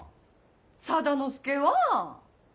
定之助は！